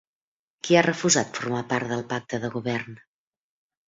Qui ha refusat formar part del pacte de govern?